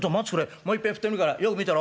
もういっぺん振ってみるからよく見てろ。